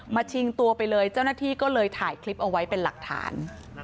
ชิงตัวไปเลยเจ้าหน้าที่ก็เลยถ่ายคลิปเอาไว้เป็นหลักฐาน